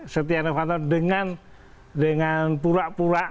setia novanto dengan pura pura